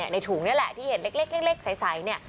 ในถุงนี่แหละที่เห็นเล็กสายนี่